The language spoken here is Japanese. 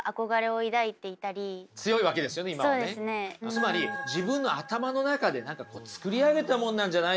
つまり自分の頭の中で作り上げたものなんじゃないですか？